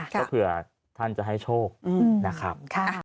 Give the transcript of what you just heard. ก็เผื่อท่านจะให้โชคนะครับ